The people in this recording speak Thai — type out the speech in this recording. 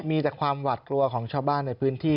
มีแต่ความหวาดกลัวของชาวบ้านในพื้นที่